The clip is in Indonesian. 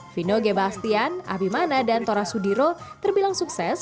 vino gebastian abimana dan tora sudiro terbilang sukses